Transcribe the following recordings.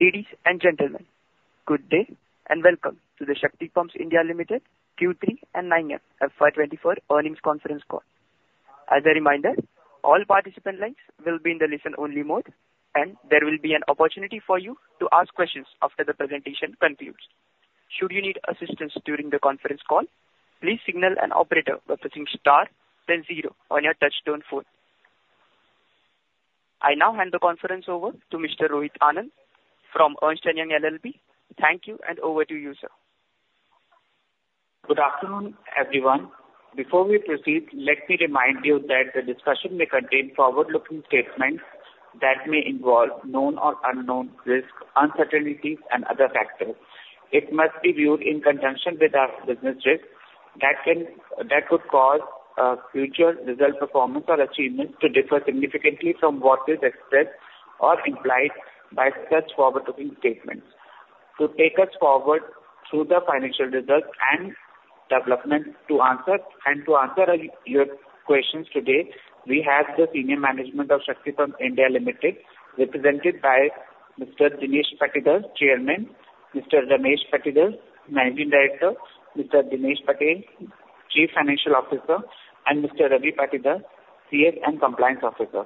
Ladies and gentlemen, good day and welcome to the Shakti Pumps India Limited Q3 and 9M FY 2024 Earnings Conference Call. As a reminder, all participant lines will be in the listen-only mode and there will be an opportunity for you to ask questions after the presentation concludes. Should you need assistance during the conference call, please signal an operator by pressing star then zero on your touchtone phone. I now hand the conference over to Mr. Rohit Anand from Ernst & Young LLP. Thank you and over to you, sir. Good afternoon, everyone. Before we proceed, let me remind you that the discussion may contain forward-looking statements that may involve known or unknown risks, uncertainties and other factors. It must be viewed in conjunction with our business risks that could cause future result, performance or achievements to differ significantly from what is expressed or implied by such forward-looking statements. To take us forward through the financial results and development, to answer your questions today, we have the senior management of Shakti Pumps India Limited, represented by Mr. Dinesh Patidar, Chairman, Mr. Ramesh Patidar, Managing Director, Mr. Dinesh Patel, Chief Financial Officer and Mr. Ravi Patidar, CS and Compliance Officer.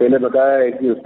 Dinesh.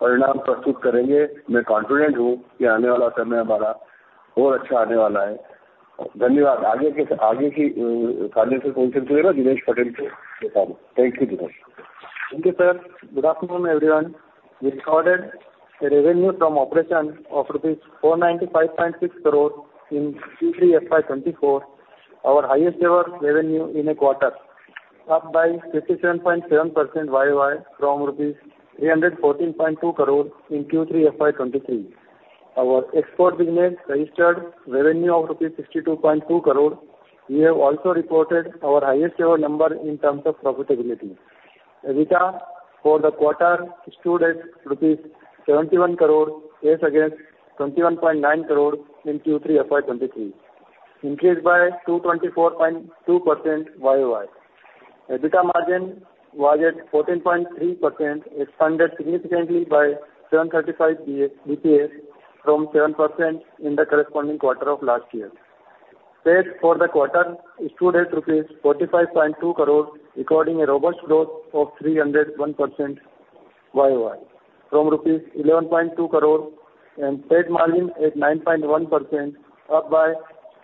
Thank you, sir. Good afternoon, everyone. We recorded the revenue from operations of ₹495.6 crore in Q3 FY24, our highest ever revenue in a quarter, up by 57.7% year-over-year from ₹314.2 crore in Q3 FY23. Our export business registered revenue of ₹62.2 crore. We have also reported our highest ever number in terms of profitability. EBITDA for the quarter stood at ₹71 crore as against ₹21.9 crore in Q3 FY23, increased by 224.2% year-over-year. EBITDA margin was at 14.3%, expanded significantly by 735 basis points from 7% in the corresponding quarter of last year. Sales for the quarter stood at rupees 45.2 crore, recording a robust growth of 301% YoY from rupees 11.2 crore and trade margin at 9.1%, up by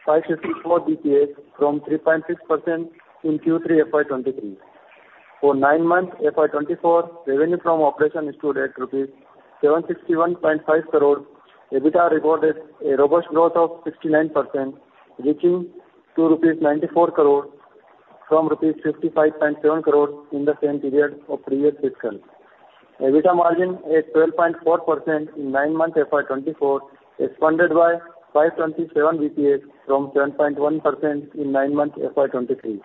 564 bps from 3.6% in Q3 FY 2023. For nine months, FY 2024, revenue from operation stood at rupees 761.5 crore. EBITDA recorded a robust growth of 69%, reaching to rupees 94 crore from rupees 55.7 crore in the same period of previous fiscal. EBITDA margin is 12.4% in nine months FY 2024, expanded by 527 bps from 7.1% in nine months FY 2023.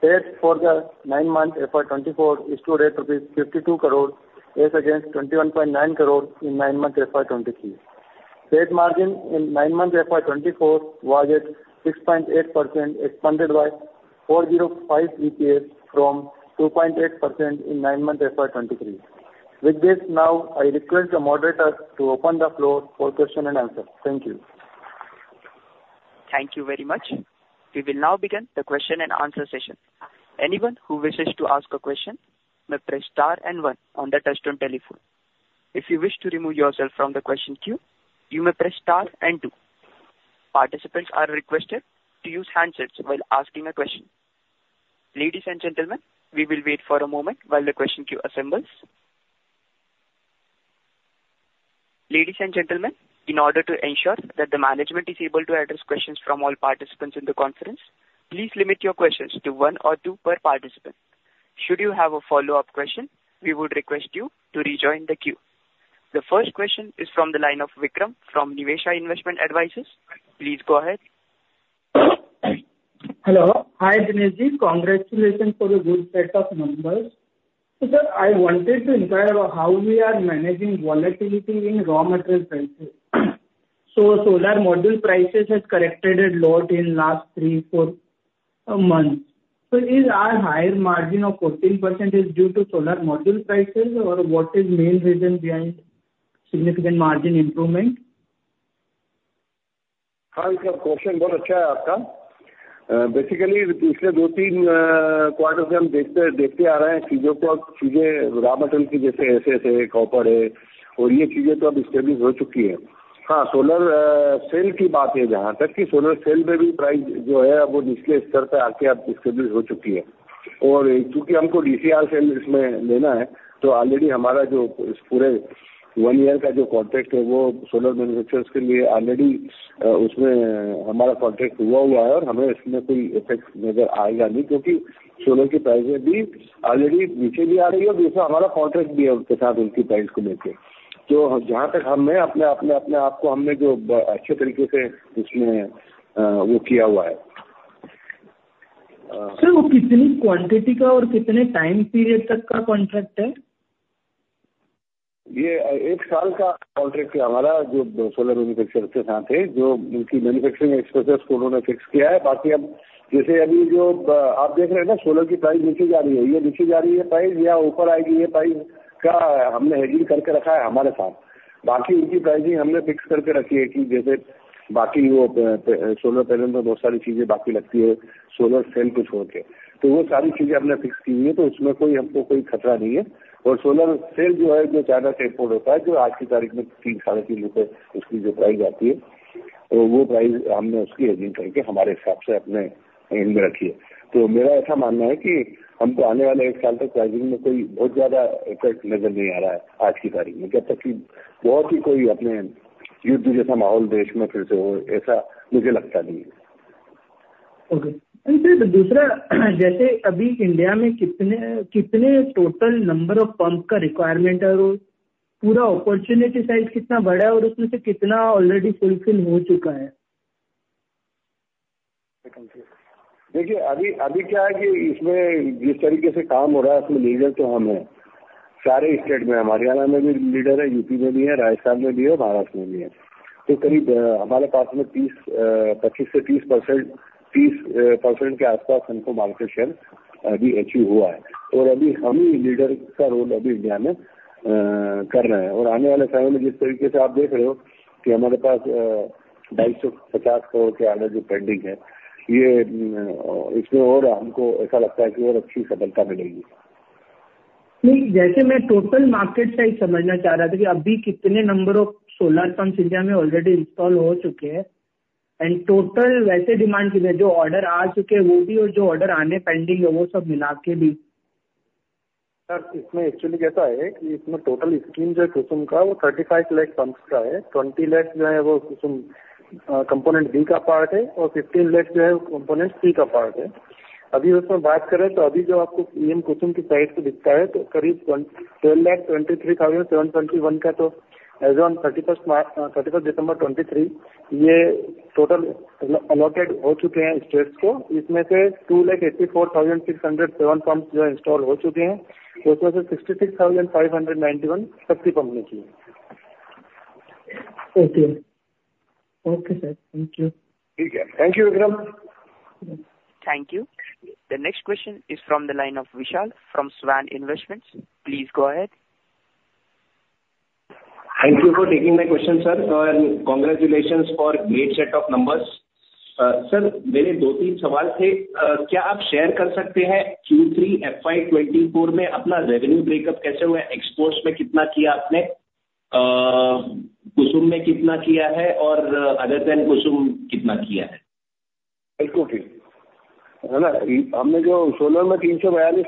Sales for the nine-month FY 2024 stood at rupees 52 crore as against 21.9 crore in nine-month FY 2023. Sales margin in nine-month FY 2024 was at 6.8%, expanded by 405 bps from 2.8% in nine-month FY 2023. With this now, I request the moderator to open the floor for question and answer. Thank you. Thank you very much. We will now begin the question and answer session. Anyone who wishes to ask a question may press star and one on the touchtone telephone. If you wish to remove yourself from the question queue, you may press star and two. Participants are requested to use handsets while asking a question. Ladies and gentlemen, we will wait for a moment while the question queue assembles. Ladies and gentlemen, in order to ensure that the management is able to address questions from all participants in the conference, please limit your questions to one or two per participant. Should you have a follow-up question, we would request you to rejoin the queue. The first question is from the line of Vikram from Niveshaay Investment Advisors. Please go ahead. Hello! Hi Dinesh ji, congratulations for the good set of numbers. I wanted to inquire how we are managing volatility in raw material prices. Solar module prices has corrected a lot in last three, four months. Is our higher margin of 14% is due to solar module prices or what is main reason behind significant margin improvement? Hi sir, question बहुत अच्छा है आपका। Basically पिछले दो तीन quarters हम देखते, देखते आ रहे हैं। चीजों को अब चीजें raw material के जैसे copper है और ये चीजें तो अब stable हो चुकी है। हाँ, solar cell की बात है जहाँ तक कि solar cell में भी price जो है वो नीचे स्तर पर आकर अब stable हो चुकी है, और क्योंकि हमको DCR cell इसमें लेना है तो already हमारा जो पूरे one year का जो contract है, वो solar manufacturers के लिए already उसमें हमारा contract हुआ हुआ है और हमें इसमें कोई effect नजर आएगा नहीं, क्योंकि solar की prices भी already नीचे भी आ रही है और दूसरा हमारा contract भी है उनके साथ, उनकी price को लेकर। तो जहां तक हमने अपने आप को हमने जो अच्छे तरीके से उसमें वो किया हुआ है। सर वो कितनी क्वांटिटी का और कितने टाइम पीरियड तक का कॉन्ट्रैक्ट है? ये एक साल का कॉन्ट्रैक्ट है हमारा, जो सोलर मैन्युफैक्चरर्स के साथ है, जो उनकी मैन्युफैक्चरिंग एक्सपेंसेस को उन्होंने फिक्स किया है। बाकी अब जैसे अभी जो आप देख रहे हैं, सोलर की प्राइस नीचे जा रही है, ये नीचे जा रही है प्राइस या ऊपर आएगी, ये प्राइस का हमने हेजिंग करके रखा है हमारे साथ। बाकी उनकी प्राइसिंग हमने फिक्स करके रखी है, कि जैसे बाकी वो सोलर पैनल में बहुत सारी चीजें बाकी लगती है, सोलर सेल को छोड़के। तो वो सारी चीजें हमने फिक्स की हुई है, तो उसमें कोई हमको कोई खतरा नहीं है और सोलर सेल जो है, जो ज्यादा इम्पोर्ट होता है, जो आज की तारीख में ₹3, ₹3.50 उसकी जो प्राइस आती है, वो प्राइस हमने उसकी हेजिंग करके हमारे हिसाब से अपने हैंड में रखी है। तो मेरा ऐसा मानना है कि हमको आने वाले एक साल तक प्राइसिंग में कोई बहुत ज्यादा इफेक्ट नजर नहीं आ रहा है। आज की तारीख में जब तक कि बहुत ही कोई अपने युद्ध जैसा माहौल देश में फिर से हो, ऐसा मुझे लगता नहीं है। ओके, और दूसरा जैसे अभी इंडिया में कितने, कितने टोटल नंबर ऑफ पंप का रिक्वायरमेंट है और पूरा अपॉर्चुनिटी साइज कितना बड़ा है और उसमें से कितना ऑलरेडी फुलफिल हो चुका है? देखिए, अभी क्या है कि इसमें जिस तरीके से काम हो रहा है, उसमें लीडर तो हम हैं। सारे स्टेट में हरियाणा में भी लीडर है, यूपी में भी है, राजस्थान में भी है और महाराष्ट्र में भी है। तो करीब हमारे पास में 30%, 25% से 30%, 30% के आसपास हमको मार्केट शेयर अभी अचीव हुआ है और अभी हम ही लीडर का रोल अभी इंडिया में कर रहे हैं और आने वाले टाइम में जिस तरीके से आप देख रहे हो कि हमारे पास ₹250 करोड़ के आगे जो पेंडिंग है, इसमें और हमको ऐसा लगता है कि और अच्छी सफलता मिलेगी। जैसे मैं टोटल मार्केट साइज समझना चाह रहा था कि अभी कितने number of solar pump India में already इंस्टॉल हो चुके हैं और टोटल वैसे डिमांड के लिए जो ऑर्डर आ चुके हैं, वो भी और जो ऑर्डर आने pending हैं, वो सब मिलाकर भी। सर, इसमें एक्चुअली कैसा है कि इसमें टोटल स्कीम जो कुसुम का वो 35 लाख पंप्स का है। 20 लाख जो है वो कुसुम कंपोनेंट B का पार्ट है और 15 लाख जो है कंपोनेंट C का पार्ट है। अभी उसमें बात करें तो अभी जो आपको PM कुसुम की साइट पर दिखता है तो करीब 12 लाख 23 हजार 721 का तो as on 31st March, 31st December 2023, ये टोटल अलोकेटेड हो चुके हैं स्टेट्स को। इसमें से 2 लाख 84 हजार 607 पंप्स जो इंस्टॉल हो चुके हैं, उसमें से 66 हजार 591 शक्ति कंपनी की है। Okay, okay sir, thank you! Thank you Vikram. Thank you. The next question is from the line of Vishal from Svan Investments. Please go ahead. Thank you for taking my question sir and congratulations for great set of numbers. Sir, मेरे दो तीन सवाल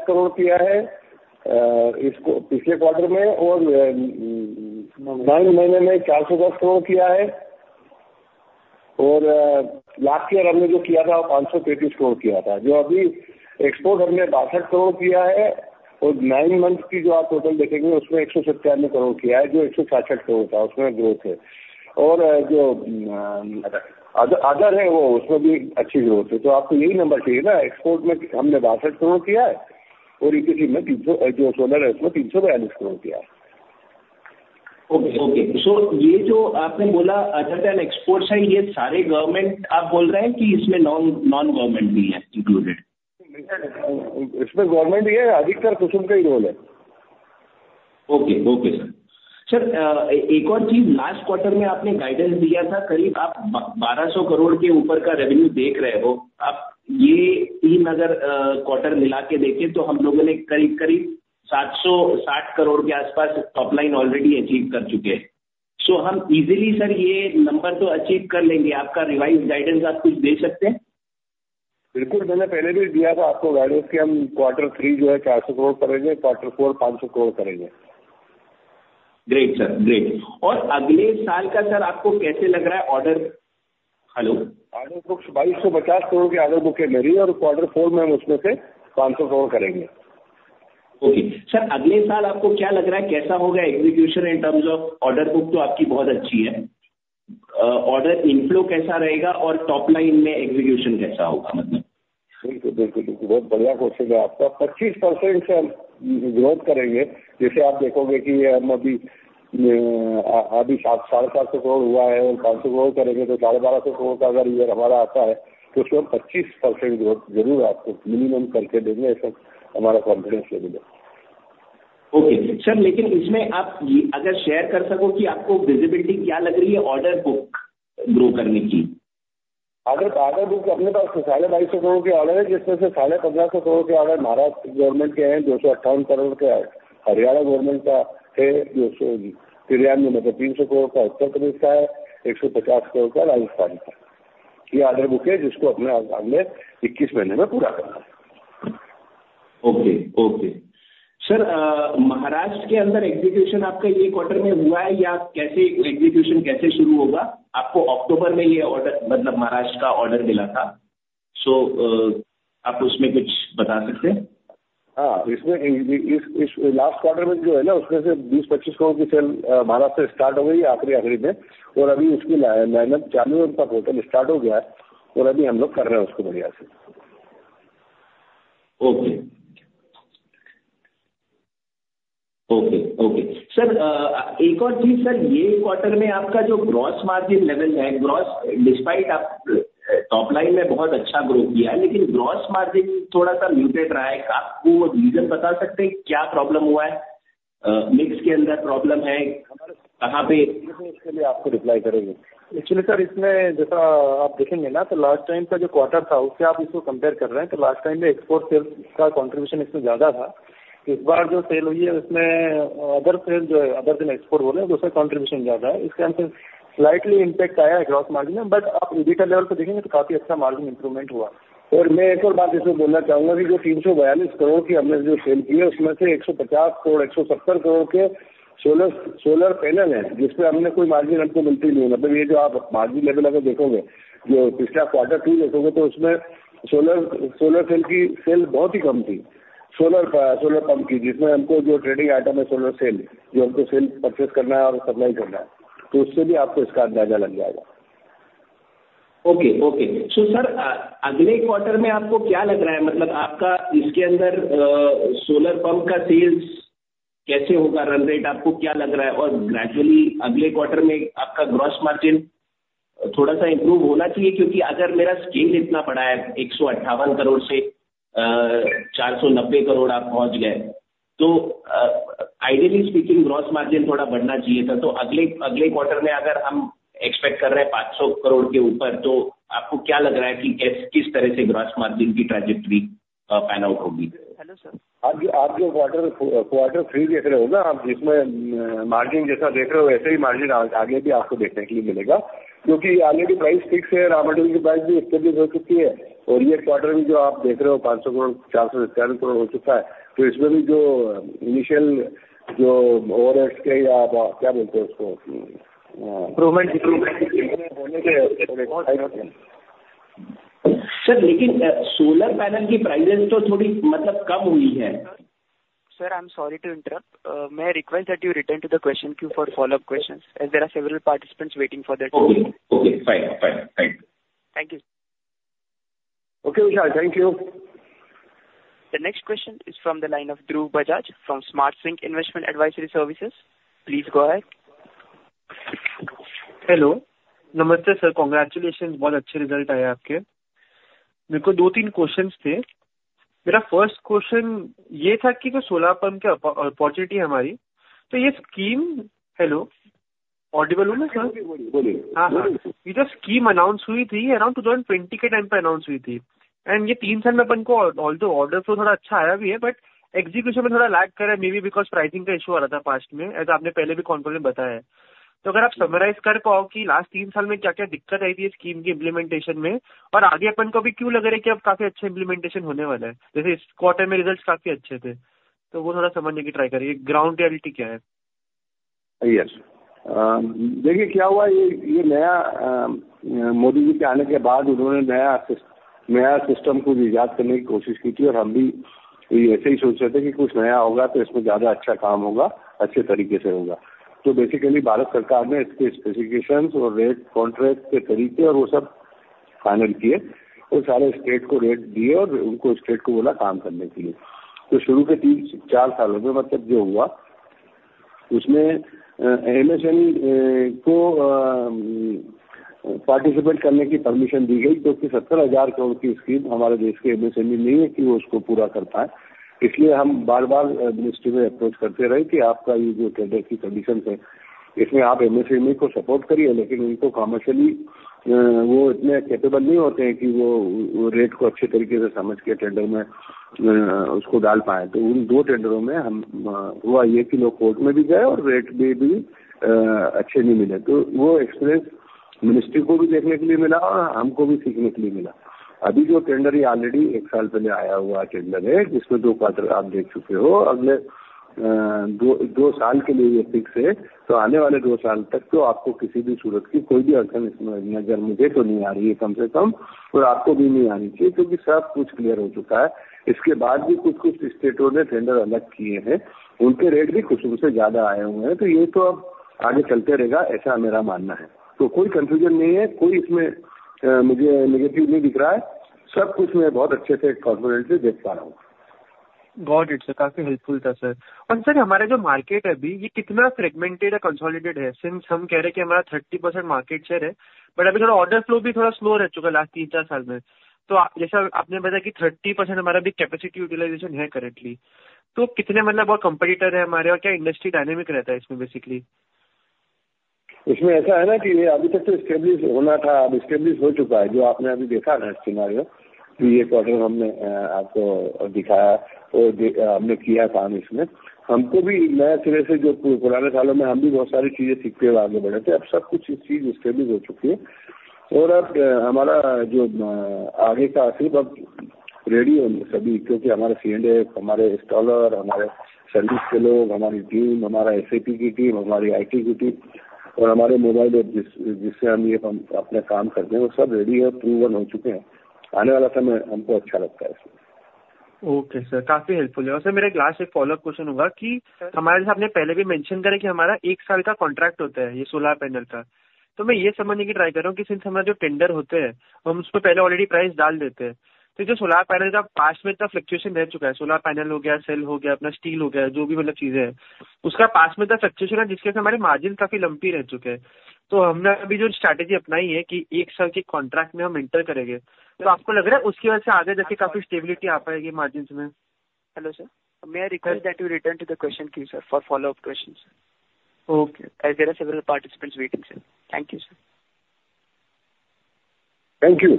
थे। क्या आप share कर सकते हैं? Q3 FY24 में अपना revenue breakup कैसे हुआ है? Exports में कितना किया आपने? KUSUM में कितना किया है और other than KUSUM कितना किया है? बिल्कुल ठीक है। हमने जो सोलर में ₹342 करोड़ किया है, इसको पिछले क्वार्टर में और नाइन महीने में ₹410 करोड़ किया है और लास्ट ईयर हमने जो किया था, वो ₹523 करोड़ किया था। जो अभी एक्सपोर्ट हमने ₹62 करोड़ किया है और नाइन मंथ की जो आप टोटल देखेंगे, उसमें ₹177 करोड़ किया है, जो ₹166 करोड़ था। उसमें ग्रोथ है और जो अदर है, उसमें भी अच्छी ग्रोथ है। तो आपको यही नंबर चाहिए। एक्सपोर्ट में हमने ₹62 करोड़ किया है और जो सोलर है, उसमें ₹342 करोड़ किया है। ओके ओके सो ये जो आपने बोला अदर देन एक्सपोर्ट्स है, ये सारे गवर्नमेंट आप बोल रहे हैं कि इसमें नॉन नॉन गवर्नमेंट भी है, इंक्लूडेड। इसमें गवर्नमेंट ही है। अधिकतर कुसुम का ही रोल है। Okay okay sir. सर, एक और चीज लास्ट क्वार्टर में आपने गाइडेंस दिया था। करीब आप ₹1,200 करोड़ के ऊपर का रेवेन्यू देख रहे हो। अब ये तीन अगर क्वार्टर मिलाकर देखें तो हम लोगों ने करीब करीब ₹760 करोड़ के आसपास टॉपलाइन ऑलरेडी अचीव कर चुके हैं। तो हम इजिली सर ये नंबर तो अचीव कर लेंगे। आपका रिवाइज्ड गाइडेंस आप कुछ दे सकते हैं? बिल्कुल, मैंने पहले भी दिया था आपको गाइडेंस कि हम क्वार्टर थ्री जो है, ₹400 करोड़ करेंगे, क्वार्टर फोर ₹500 करोड़ करेंगे। Great sir great! और अगले साल का सर आपको कैसे लग रहा है? Order hello. Order books ₹2,250 crore की ऑर्डर बुक मिली है और क्वार्टर फोर में हम उसमें से ₹500 करोड़ करेंगे। ओके सर, अगले साल आपको क्या लग रहा है? कैसा होगा execution in terms of order book तो आपकी बहुत अच्छी है। Order inflow कैसा रहेगा और topline में execution कैसा होगा? बिल्कुल बिल्कुल, बहुत बढ़िया क्वेश्चन है। आपका 25% से ग्रोथ करेंगे। जैसे आप देखोगे कि हम अभी अभी ₹750 करोड़ हुआ है और ₹500 करोड़ करेंगे तो ₹1,250 करोड़ का अगर ईयर हमारा आता है तो उसमें 25% ग्रोथ जरूर आपको मिनिमम करके देंगे। ये सब हमारा कॉन्फिडेंस है। ओके सर, लेकिन इसमें आप अगर शेयर कर सकें कि आपको विजिबिलिटी क्या लग रही है ऑर्डर बुक ग्रो करने की? ऑर्डर बुक अपने पास ₹2,250 करोड़ के ऑर्डर हैं, जिसमें से ₹1,550 करोड़ के ऑर्डर महाराष्ट्र गवर्नमेंट के हैं। ₹258 करोड़ के हरियाणा गवर्नमेंट का है, ₹300 करोड़ का उत्तर प्रदेश का है, ₹150 करोड़ का राजस्थान का ये ऑर्डर बुक है, जिसको हमने अगले 21 महीने में पूरा करना है। Okay okay. सर, महाराष्ट्र के अंदर एक्जीक्यूशन आपका एक क्वार्टर में हुआ है या कैसे? एक्जीक्यूशन कैसे शुरू होगा? आपको अक्टूबर में यह ऑर्डर मतलब महाराष्ट्र का ऑर्डर मिला था, तो आप उसमें कुछ बता सकते हैं। हां, इसमें इस लास्ट क्वार्टर में जो है ना, उसमें से ₹20-25 करोड़ की सेल महाराष्ट्र स्टार्ट हो गई है आखिरी आखिरी में और अभी उसकी लाइनअप जनवरी तक होटल स्टार्ट हो गया है और अभी हम लोग कर रहे हैं उसको बढ़िया से। ओके! ओके ओके सर, एक और चीज सर, ये क्वार्टर में आपका जो ग्रॉस मार्जिन लेवल है, ग्रॉस डिस्पाइट आप टॉपलाइन में बहुत अच्छा ग्रोथ किया है, लेकिन ग्रॉस मार्जिन थोड़ा सा म्यूटेड रहा है। क्या आप रीजन बता सकते हैं, क्या प्रॉब्लम हुआ है? मिक्स के अंदर प्रॉब्लम है, कहां पे। आपको रिप्लाई करेंगे। Actually sir, इसमें जैसा आप देखेंगे ना तो last time का जो quarter था, उससे आप इसको compare कर रहे हैं तो last time में export का contribution इसमें ज्यादा था। इस बार जो sale हुई है, उसमें other sale जो है, other than export बोल रहे हैं, उससे contribution ज्यादा है। इसके अंदर slightly impact आया है gross margin में, Okay, thank you. The next question is from the line of Dhruv Bajaj from Smart Sync Investment Advisory Services. Please go ahead. Hello नमस्ते सर, कांग्रेचुलेशन! बहुत अच्छे रिजल्ट आए हैं आपके। मेरे को दो तीन क्वेश्चन थे। मेरा फर्स्ट क्वेश्चन यह था कि जो सोलर पंप के अपॉर्चुनिटी है हमारी, तो यह स्कीम। हेलो ऑडिबल हूं ना सर? हां हां, ये जो स्कीम announce हुई थी, around 2020 के time पर announce हुई थी and ये तीन साल में अपन को although order थोड़ा अच्छा आया भी है, but execution में थोड़ा lag कर रहा है। Maybe because pricing का issue आ रहा था past में। ऐसा आपने पहले भी conference में बताया है। तो अगर आप summarize कर पाओ कि last तीन साल में क्या क्या दिक्कत आई थी, scheme के implementation में और आगे अपन को अभी क्यों लग रहा है कि अब काफी अच्छा implementation होने वाला है। जैसे इस quarter में result काफी अच्छे थे तो वो थोड़ा समझने की try करें। Ground reality क्या है? हां, देखिए, क्या हुआ, ये नया मोदी जी के आने के बाद उन्होंने नया सिस्टम को रिवाइज करने की कोशिश की थी और हम भी ऐसे ही सोच रहे थे कि कुछ नया होगा तो इसमें ज्यादा अच्छा काम होगा, अच्छे तरीके से होगा। बेसिकली भारत सरकार ने इसके स्पेसिफिकेशंस और रेट कॉन्ट्रैक्ट के तरीके और वो सब फाइनल किए और सारे स्टेट को रेट दिए और उनको स्टेट को बोला काम करने के लिए। शुरू के तीन चार सालों में मतलब जो हुआ, उसमें MSME को पार्टिसिपेट करने की परमिशन दी गई, क्योंकि ₹70,000 करोड़ की स्कीम हमारे देश की MSME नहीं है, कि वो उसको पूरा करता है। इसलिए हम बार बार मिनिस्ट्री में अप्रोच करते रहे कि आपका ये जो टेंडर की कंडीशन है, इसमें आप MSME को सपोर्ट करिए, लेकिन उनको कमर्शियली वो इतने कैपेबल नहीं होते हैं कि वो रेट को अच्छे तरीके से समझ के टेंडर में उसको डाल पाएं। उन दो टेंडरों में हुआ, एक कि लोग कोर्ट में भी गए और रेट भी अच्छे नहीं मिले तो वो एक्सपीरियंस मिनिस्ट्री को भी देखने के लिए मिला और हमको भी सीखने के लिए मिला। अभी जो टेंडर है, ऑलरेडी एक साल पहले आया हुआ टेंडर है, जिसमें दो क्वार्टर आप देख चुके हो। अगले दो साल के लिए ये फिक्स है तो आने वाले दो साल तक तो आपको किसी भी सूरत की कोई भी अड़चन इसमें नजर मुझे तो नहीं आ रही है, कम से कम और आपको भी नहीं आनी चाहिए, क्योंकि सब कुछ क्लियर हो चुका है। इसके बाद भी कुछ कुछ स्टेटों ने टेंडर अलग किए हैं। उनके रेट भी खुशबू से ज्यादा आए हुए हैं तो यह तो अब आगे चलते रहेगा, ऐसा मेरा मानना है। कोई कन्फ्यूजन नहीं है, कोई इसमें मुझे नेगेटिव नहीं दिख रहा है। सब कुछ मैं बहुत अच्छे से कॉन्फिडेंटली देख पा रहा हूं। गुड, इट इज काफी हेल्पफुल था सर और सर, हमारे जो मार्केट है, अभी ये कितना फ्रैगमेंटेड और कंसोलिडेट है। सिंस हम कह रहे हैं कि हमारा 30% मार्केट शेयर है, बट अभी ऑर्डर फ्लो भी थोड़ा स्लो रह चुका है, लास्ट तीन चार साल में तो जैसा आपने बताया कि 30% हमारा अभी कैपेसिटी यूटिलाइजेशन है, करेंटली तो कितने मतलब बहुत कंपीटीटर हैं हमारे और क्या इंडस्ट्री डायनामिक रहता है, इसमें बेसिकली। इसमें ऐसा है ना कि अभी तक तो स्टेबल होना था, अब स्टेबल हो चुका है। जो आपने अभी देखा है ना, सीनारियो ये क्वार्टर हमने आपको दिखाया और हमने किया है काम। इसमें हमको भी नए तरह से जो पुराने सालों में हम भी बहुत सारी चीजें सीखते हुए आगे बढ़े थे। अब सब कुछ इस चीज स्टेबल हो चुकी है और अब हमारा जो आगे का आशीर्वाद रेडी हैं सभी क्योंकि हमारे C&A, हमारे इंस्टॉलर, हमारे सर्विस लोग, हमारी टीम, हमारा SAP की टीम, हमारी IT की टीम और हमारे मोबाइल ऐप, जिससे हम अपने काम करते हैं, वो सब रेडी और प्रूव हो चुके हैं। आने वाला समय हमको अच्छा लगता है। ओके सर, काफी हेल्पफुल है और सर मेरा लास्ट एक फॉलो अप क्वेश्चन होगा कि हमारे साथ मैंने पहले भी मेंशन किया कि हमारा एक साल का कॉन्ट्रैक्ट होता है। ये सोलर पैनल का तो मैं यह समझने की ट्राई कर रहा हूं कि सिंस हमारे जो टेंडर होते हैं, हम उसके पहले ऑलरेडी प्राइस डाल देते हैं। तो जो सोलर पैनल का पास्ट में इतना फ्लक्चुएशन रह चुका है, सोलर पैनल हो गया, सेल हो गया, अपना स्टील हो गया। जो भी मतलब चीज है, उसका पास्ट में फ्लक्चुएशन है, जिसके कारण हमारे मार्जिन काफी लंपी रह चुके हैं। तो हमने अभी जो स्ट्रैटेजी अपनाई है कि एक साल के कॉन्ट्रैक्ट में हम इंटर करेंगे तो आपको लग रहा है, उसकी वजह से आगे जाकर काफी स्टेबिलिटी आ पाएगी मार्जिन्स में। Hello sir, may I request that you return to the question sir, for follow up question. Okay, there are several participants waiting sir. Thank you sir. Thank you.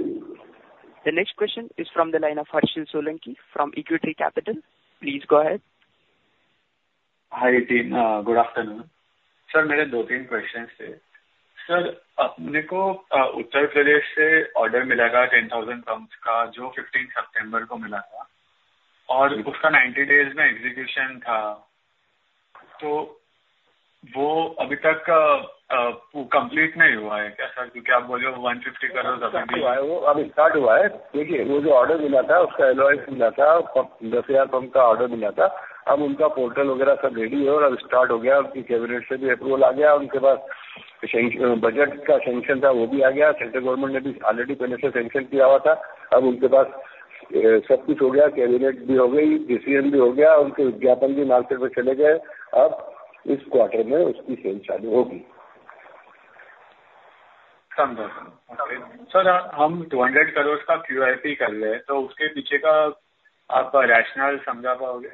The next question is from the line of Harshil Solanki from Equitree Capital. Please go ahead. Hi team, good afternoon sir. मेरे दो तीन question थे। Sir, अपने को उत्तर प्रदेश से order मिला था 10,000 pumps का, जो 15 सितंबर को मिला था और उसका 90 दिन में एग्जीक्यूशन था। तो वो अभी तक कंप्लीट नहीं हुआ है क्या सर? क्योंकि आप बोले INR 1.5 करोड़। अभी स्टार्ट हुआ है। देखिए, वो जो ऑर्डर मिला था, उसका अलॉय मिला था। 10,000 पंप का ऑर्डर मिला था। अब उनका पोर्टल वगैरह सब रेडी है और अब स्टार्ट हो गया। उनकी कैबिनेट से भी अप्रूवल आ गया। उनके पास बजट का सैंक्शन था, वो भी आ गया। सेंट्रल गवर्नमेंट ने भी ऑलरेडी पहले से सैंक्शन किया हुआ था। अब उनके पास सब कुछ हो गया, कैबिनेट भी हो गई, डिसीजन भी हो गया। उनके विज्ञापन भी मार्केट में चले गए। अब इस क्वार्टर में उसकी सेल चालू होगी। समझा सर, हम ₹200 करोड़ का QIP कर रहे हैं तो उसके पीछे का आपका rational समझा पाओगे?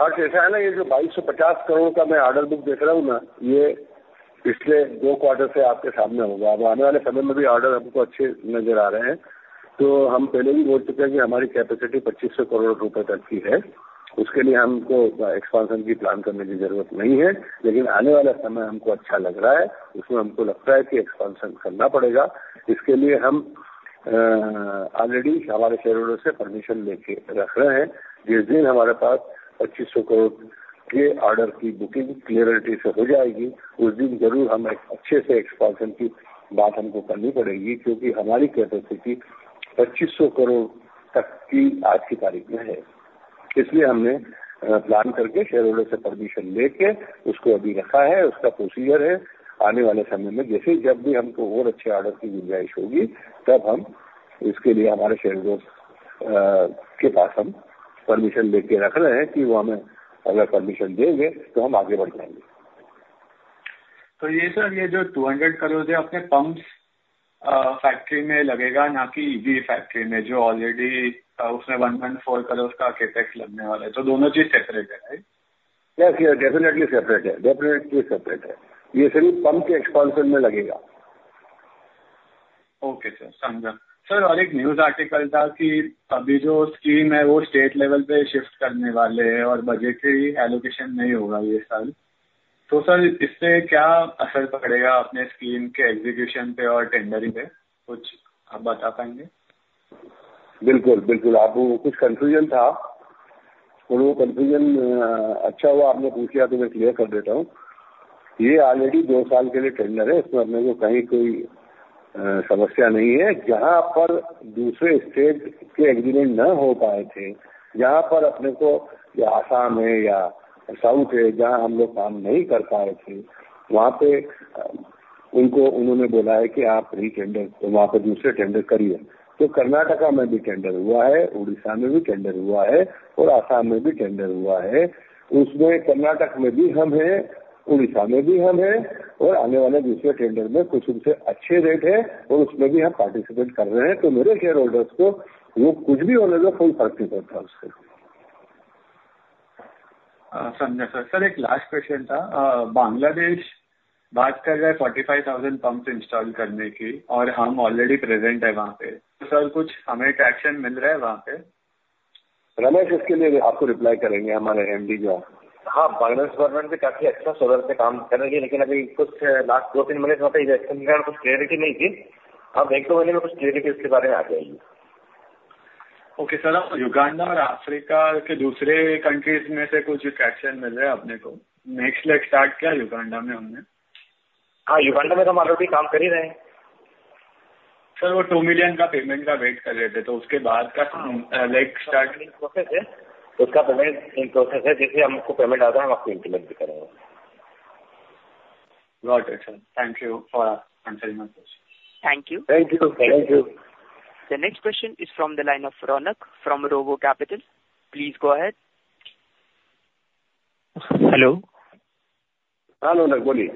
हां, ऐसा है ना, ये जो ₹2,250 करोड़ का मैं ऑर्डर बुक देख रहा हूं ना, ये पिछले दो क्वार्टर से आपके सामने होगा और आने वाले समय में भी ऑर्डर हमको अच्छे नजर आ रहे हैं। तो हम पहले ही बोल चुके हैं कि हमारी कैपेसिटी ₹2,500 करोड़ तक की है। उसके लिए हमको एक्सपेंशन की प्लान करने की जरूरत नहीं है। लेकिन आने वाला समय हमको अच्छा लग रहा है। उसमें हमको लगता है कि एक्सपेंशन करना पड़ेगा। इसके लिए हम ऑलरेडी हमारे शेयरहोल्डर्स से परमिशन लेके रख रहे हैं। जिस दिन हमारे पास ₹2,500 करोड़ के ऑर्डर की बुकिंग क्लीयरिटी से हो जाएगी, उस दिन जरूर हम अच्छे से एक्सपेंशन की बात हमको करनी पड़ेगी, क्योंकि हमारी कैपेसिटी ₹2,500 करोड़ तक की आज की तारीख में है। इसलिए हमने प्लान करके शेयरहोल्डर से परमिशन लेकर उसको अभी रखा है। उसका प्रोसीजर है आने वाले समय में जैसे जब भी हमको और अच्छे ऑर्डर की जरूरत होगी, तब हम इसके लिए हमारे शेयरहोल्डर के पास परमिशन लेकर रख रहे हैं कि अगर वह हमें परमिशन देंगे तो हम आगे बढ़ जाएंगे। तो यह सर, यह जो ₹200 करोड़ है, अपने वो ₹2 million का payment का wait कर रहे थे तो उसके बाद का legal start process है। उसका पेमेंट प्रोसेस है। जैसे हमको पेमेंट आता है, हम आपको इनफार्म भी कर देंगे। Thank you for. Thank you, thank you. Thank you. The next question is from the line of Raunak from RoboCapital. Please go ahead. Hello. हां बोलिए।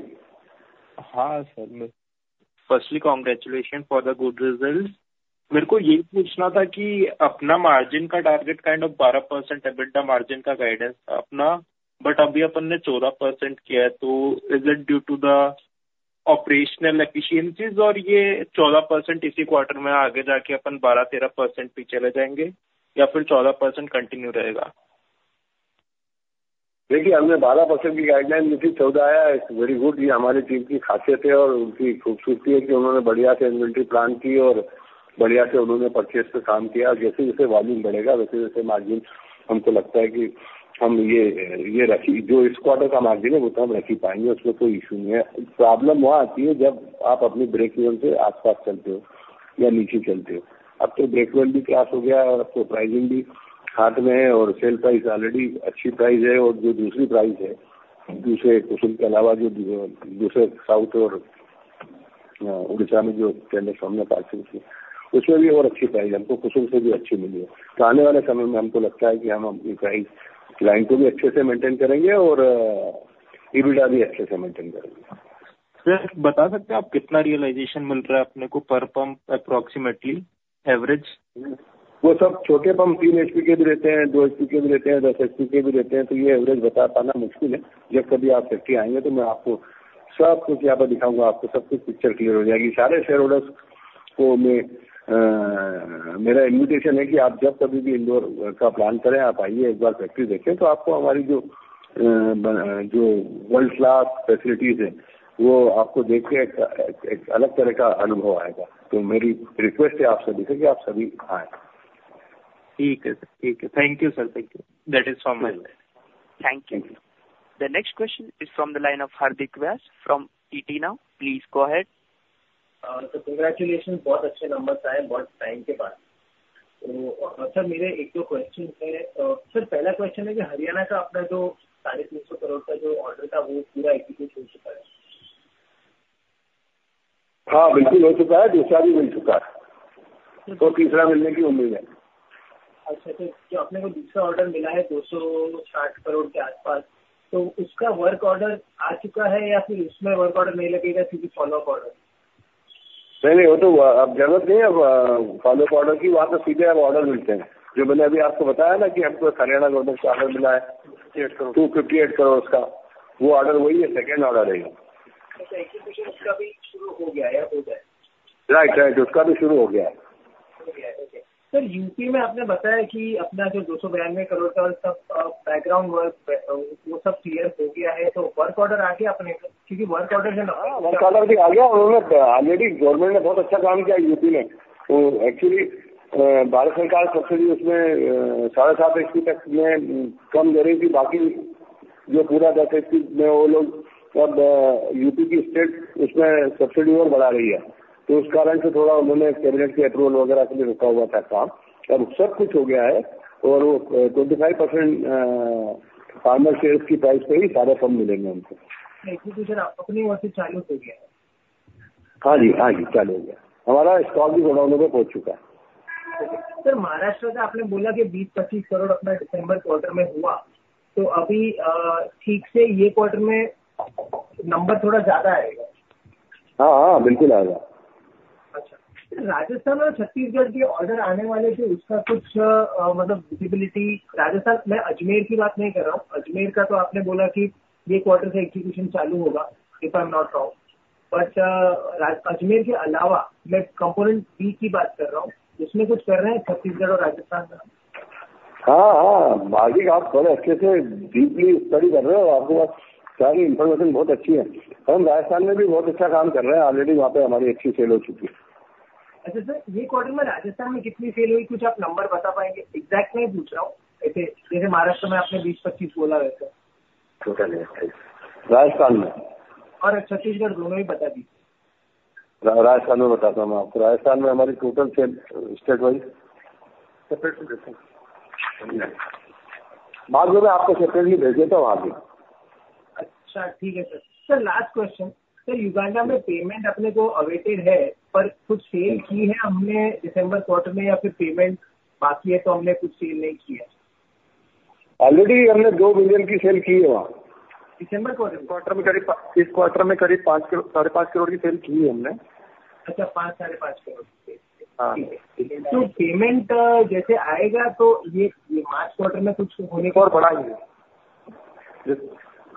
हां sir, firstly congratulation for the good result. मेरे को यही पूछना था कि अपना मार्जिन का टारगेट काइंड ऑफ 12% है। EBITDA मार्जिन का गाइडेंस था अपना। बट अभी अपन ने 14% किया है तो is it due to the operational efficiency और यह 14% इसी क्वार्टर में आगे जाकर अपन 12-13% पर चले जाएंगे या फिर 14% कंटिन्यू रहेगा? देखिए, हमने 12% की गाइडलाइन दी थी। 14% आया। बहुत अच्छा। यह हमारी टीम की खासियत है और उनकी खूबसूरती है कि उन्होंने बढ़िया से इन्वेंटरी प्लान की और बढ़िया से उन्होंने परचेज का काम किया। जैसे जैसे वॉल्यूम बढ़ेगा, वैसे वैसे मार्जिन हमको लगता है कि हम यह जो इस क्वार्टर का मार्जिन है, वो हम रख ही पाएंगे, उसमें कोई इशू नहीं है। प्रॉब्लम वहां आती है जब आप अपने ब्रेक इवन से आसपास चलते हो या नीचे चलते हो। अब तो ब्रेक इवन भी पास हो गया और अब प्राइसिंग भी हाथ में है और सेल प्राइस ऑलरेडी अच्छी प्राइस है और जो दूसरी प्राइस है, दूसरे कुशल के अलावा जो दूसरे साउथ और उड़ीसा में जो टेंडर हमने पास की थी, उसमें भी और अच्छी प्राइस हमको कुशल से भी अच्छी मिली है। तो आने वाले समय में हमको लगता है कि हम अपनी प्राइस लाइन को भी अच्छे से मेंटेन करेंगे और EBITDA भी अच्छे से मेंटेन करेंगे। सर, बता सकते हैं आप कितना रियलाइजेशन मिल रहा है अपने को पर पंप approximately average। वो सब छोटे पंप तीन HP के भी देते हैं, दो HP के भी देते हैं, दस HP के भी देते हैं तो ये average बता पाना मुश्किल है। जब कभी आप factory आएंगे तो मैं आपको सब कुछ यहां पर दिखाऊंगा। आपको सब कुछ picture clear हो जाएगी। सारे shareholders को मेरा invitation है कि आप जब कभी भी इंदौर का plan करें, आप आइए, एक बार factory देखें तो आपको हमारी जो जो world class facility है, वो आपको देखकर एक अलग तरह का अनुभव आएगा। तो मेरी request है आपसे कि आप सभी आए। ठीक है, सर, ठीक है। Thank you, sir. Thank you, that is all. Thank you. The next question is from the line of Hardik Vyas from ET. Now please go ahead. Congratulations, बहुत अच्छे नंबर आए हैं, बहुत टाइम के बाद। तो सर, मेरे एक दो question हैं। सर, पहला question है कि Haryana का अपना जो ₹350 करोड़ का जो order था, वो पूरा हैं। ऑलरेडी वहां पर हमारी अच्छी सेल हो चुकी है। अच्छा सर, यह क्वार्टर में राजस्थान में कितनी सेल हुई, कुछ आप नंबर बता पाएंगे? एग्जैक्ट नहीं पूछ रहा हूं। जैसे महाराष्ट्र में आपने 20-25 बोला है, तो। राजस्थान में। और छत्तीसगढ़ दोनों ही बता दीजिए। राजस्थान में बताता हूं। मैं राजस्थान में हमारी टोटल स्टेट वाइज़। मारवाड़ आपको सेपरेट भी भेज देता हूं आगे। अच्छा ठीक है sir, last question. Sir Uganda में पेमेंट अपने को अवेटेड है, पर कुछ सेल की है। हमने दिसंबर क्वार्टर में या फिर पेमेंट बाकी है तो हमने कुछ सेल नहीं किया है। Already हमने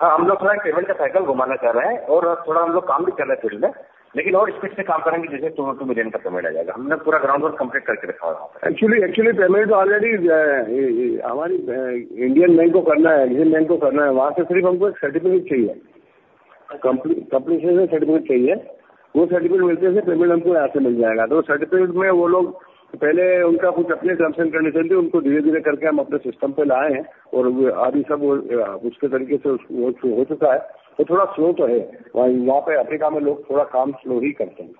₹2 million की sale की है। दिसंबर क्वार्टर। क्वार्टर में इस क्वार्टर में करीब ₹5.5 करोड़ की सेल की है हमने। ₹5.5 करोड़। तो पेमेंट जैसे आएगा तो यह मार्च क्वार्टर में कुछ होने को और बढ़ा देगी। हां, हम लोग थोड़ा पेमेंट का साइकिल घुमाना चाह रहे हैं और थोड़ा हम लोग काम भी कर रहे हैं फील्ड में, लेकिन और स्पीड से काम करेंगे, जिससे INR 2 million का पेमेंट आ जाएगा। हमने पूरा ग्राउंडवर्क कंप्लीट करके रखा है। एक्चुअली पेमेंट तो ऑलरेडी हमारी इंडियन बैंक को करना है। बैंक को करना है। वहां से सिर्फ हमको एक सर्टिफिकेट चाहिए। कंपनी से सर्टिफिकेट चाहिए। वो सर्टिफिकेट मिलते ही पेमेंट हमको यहां से मिल जाएगा। सर्टिफिकेट में वो लोग पहले उनका कुछ अपने कंसन करने पड़ते। उनको धीरे धीरे करके हम अपने सिस्टम पर लाए हैं और अभी सब उसके तरीके से हो चुका है। थोड़ा स्लो तो है। वहां पर अफ्रीका में लोग थोड़ा काम स्लो ही करते हैं।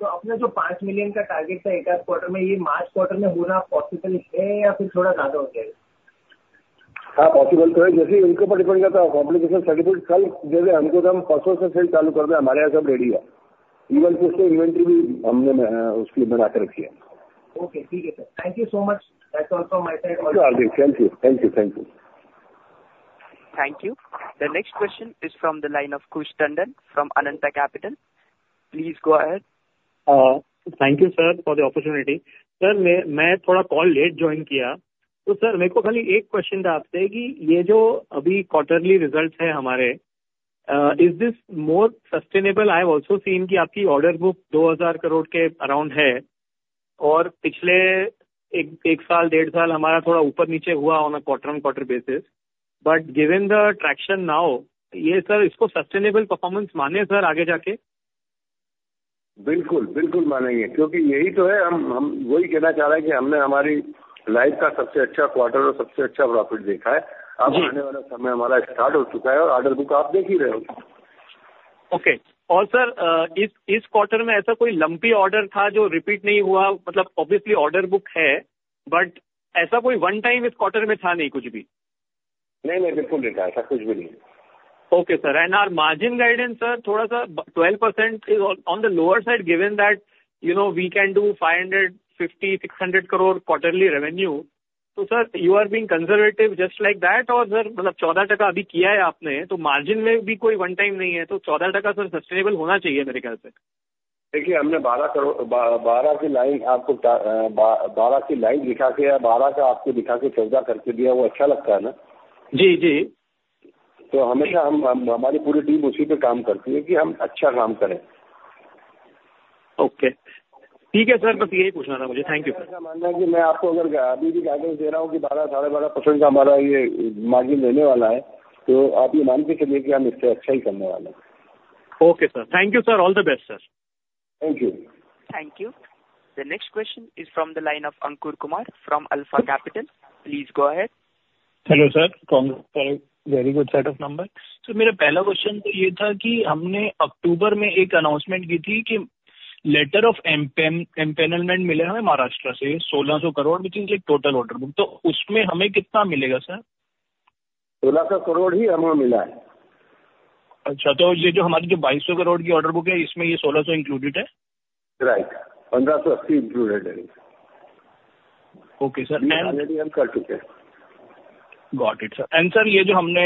तो आपने जो ₹5 million का टारगेट था, एक quarter में, यह March quarter में होना possible है या फिर थोड़ा ज्यादा हो जाएगा। हां, possible तो है। जैसे ही उनके पर depend करता है। Completion certificate कल दे दे, हमको तो हम परसों से sale चालू कर दें। हमारे यहां सब ready है। Even उसके inventory भी हमने उसके लिए बना के रखी है। ओके ठीक है sir, thank you so much. Thank you! Thank you. Thank you. Thank you. The next question is from the line of Kush Tandon from Ananta Capital. Please go ahead. Thank you sir, for the opportunity. Sir, मैं थोड़ा call late join किया तो sir मेरे को खाली एक question पूछना है कि यह जो अभी क्वार्टरली रिजल्ट है, हमारे इस this more sustainable? I have also seen कि आपकी ऑर्डर बुक 2,000 करोड़ के अराउंड है और पिछले एक साल डेढ़ साल हमारा थोड़ा ऊपर नीचे हुआ on quarter on quarter basis. But giving the traction now यह सर इसको सस्टेनेबल परफॉर्मेंस माने सर आगे जाकर। बिल्कुल बिल्कुल मानेंगे, क्योंकि यही तो है। हम वही कहना चाह रहे हैं कि हमने हमारी लाइफ का सबसे अच्छा क्वार्टर और सबसे अच्छा प्रॉफिट देखा है। अब आने वाला समय हमारा स्टार्ट हो चुका है और ऑर्डर बुक तो आप देख ही रहे हो। ओके और सर, इस क्वार्टर में ऐसा कोई लंपी ऑर्डर था, जो रिपीट नहीं हुआ। मतलब ऑब्वियसली ऑर्डर बुक है, बट ऐसा कोई वन टाइम इस क्वार्टर में था नहीं, कुछ भी। नहीं नहीं, बिल्कुल नहीं। ऐसा कुछ भी नहीं है। Okay sir, margin guidance sir थोड़ा सा 12% on the lower side given that you know we can do ₹550-600 crore quarterly revenue. तो sir you are being conservative just like that और सर मतलब 14% अभी किया है। आपने तो मार्जिन में भी कोई वन टाइम नहीं है तो 14% सर सस्टेनेबल होना चाहिए मेरे ख्याल से। देखिए, हमने ₹12 करोड़, बारह की लाइन, आपको बारह की लाइन दिखाकर या बारह का आपको दिखाकर सौदा करके दिया, वो अच्छा लगता है ना? जी जी। तो हमेशा हम हमारी पूरी टीम उसी पर काम करती है कि हम अच्छा काम करें। ओके ठीक है सर, बस यही पूछना था मुझे। Thank you sir. मैं आपको अगर अभी भी गाइडेंस दे रहा हूं कि 12%, साढे 12% का हमारा यह मार्जिन रहने वाला है, तो आप ये मान के चलिए कि हम इससे अच्छा ही करने वाले हैं। Okay sir, thank you sir. All the best sir. Thank you. Thank you. The next question is from the line of Ankur Kumar from Alpha Capital. Please go ahead. Hello sir, very good set of numbers. तो मेरा पहला question तो यह था कि हमने अक्टूबर में एक अनाउंसमेंट की थी कि लेटर ऑफ एम्पैनलमेंट मिले हैं महाराष्ट्र से ₹1,600 करोड़, जो इन टोटल ऑर्डर बुक तो उसमें हमें कितना मिलेगा सर? सोलह सौ करोड़ ही हमें मिला है। अच्छा तो ये जो हमारी ₹2,200 करोड़ की ऑर्डर बुक है, इसमें ये ₹1,600 इंक्लूडेड है। राइट, ₹1,580 इंक्लूडेड है। Okay sir. कर चुके हैं। और सर, ये जो हमने